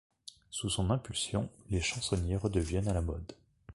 Sous son impulsion, les chansonniers redeviennent à la mode.